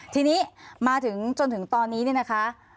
ทีนี้มาถึงจนถึงตอนนี้เนี่ยนะคะ